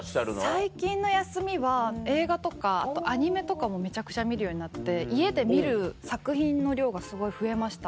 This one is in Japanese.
最近の休みは映画とかアニメとかもめちゃくちゃ見るようになって家で見る作品の量がすごい増えました。